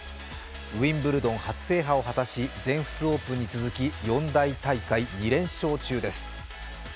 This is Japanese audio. ウィンブルドン初制覇を果たし全仏オープンに続き四大大会２連勝中です。